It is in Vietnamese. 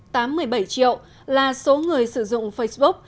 tám mươi bảy triệu là số người sử dụng facebook